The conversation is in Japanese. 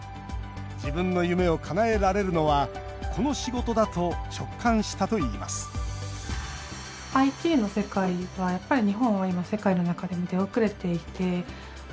自分の夢をかなえられるのはこの仕事だと直感したといいます開店から、およそ１年。